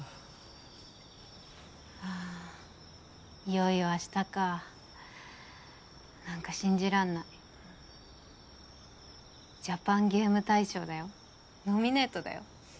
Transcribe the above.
いよいよ明日か何か信じらんないジャパンゲーム大賞だよノミネートだよ